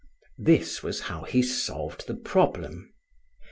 This was how he solved the problem.